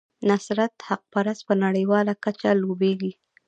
نصرت حقپرست په نړیواله کچه لوبیږي.